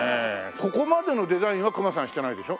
ここまでのデザインは隈さんしてないでしょ？